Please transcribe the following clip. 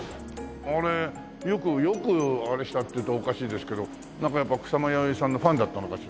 あれよくあれしたっていうとおかしいですけどやっぱ草間彌生さんのファンだったのかしら？